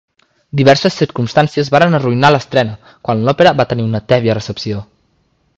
Diverses circumstàncies varen arruïnar l'estrena, quan l'òpera va tenir una tèbia recepció.